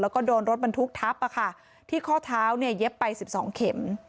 แล้วก็โดนรถบรรทุกทับที่ข้อเท้าเนี่ยเย็บไป๑๒เข็ม